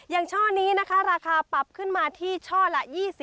ช่อนี้นะคะราคาปรับขึ้นมาที่ช่อละ๒๐